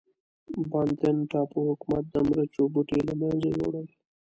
بانتن ټاپو حکومت د مرچو بوټي له منځه یووړل.